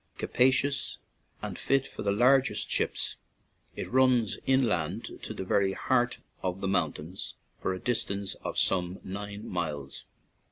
Capacious and fit for the largest ships, . it runs in land to the very heart of the mountains 73 ON AN IRISH JAUNTING CAR for a distance of some nine miles.